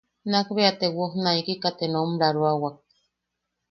Nakbea te wojnaikika te nombraroawak.